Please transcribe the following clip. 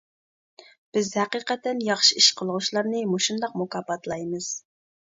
بىز ھەقىقەتەن ياخشى ئىش قىلغۇچىلارنى مۇشۇنداق مۇكاپاتلايمىز.